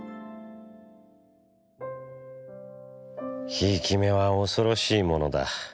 「贔屓目は恐ろしいものだ。